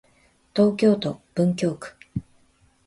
東京都文京区